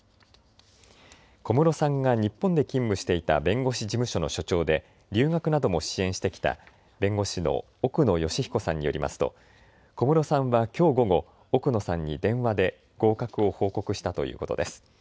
小室さんが日本で勤務していた弁護士事務所の所長で留学なども支援してきた弁護士の奧野善彦さんによりますと小室さんはきょう午後、奧野さんに電話で合格を報告したということです。